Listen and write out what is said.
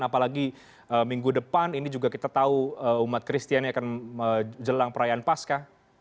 apalagi minggu depan ini juga kita tahu umat kristiani akan menjelang perayaan pasca